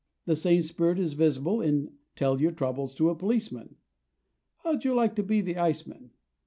The same spirit is visible in "Tell your troubles to a policeman," "How'd you like to be the ice man?"